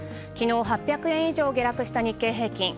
昨日８００円以上反発した日経平均。